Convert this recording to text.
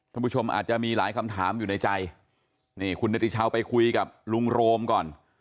ผู้ชมอาจจะมีหลายคำถามอยู่ในใจนี่คุณเนติชาวไปคุยกับลุงโรมก่อน